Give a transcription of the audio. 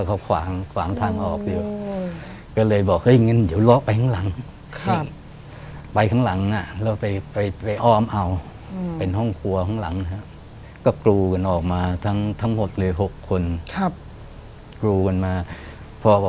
ก็บ้านจะเป็นสองชั้นนั้นนะครับ